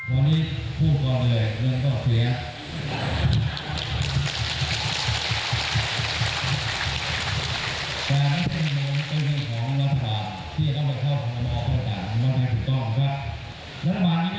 โอเคค่ะขอบคุณค่ะ